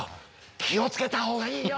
気を付けた方がいいよ。